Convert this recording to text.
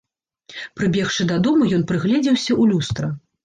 Прыбегшы дадому, ён прыгледзеўся ў люстра.